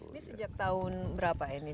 ini sejak tahun berapa ini